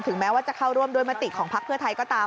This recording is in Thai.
แม้ว่าจะเข้าร่วมด้วยมติของพักเพื่อไทยก็ตาม